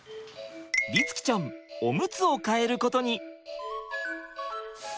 律貴ちゃんオムツを替えることに。